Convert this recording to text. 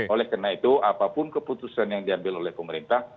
oleh karena itu apapun keputusan yang diambil oleh pemerintah